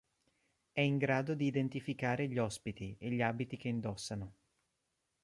È in grado di identificare gli ospiti e gli abiti che indossano.